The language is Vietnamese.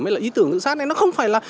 hay là ý tưởng tự sát này nó không phải là